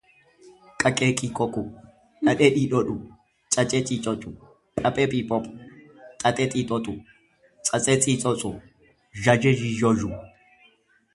qaqeqiqoqu, dhadhedhidhodhu, cacecicocu, phaphephiphophu, xaxexixoxu, tsatsetsitsotsu, zyazyezyizyozyu